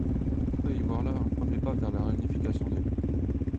On peut y voir là un premier pas vers la réunification de l'île.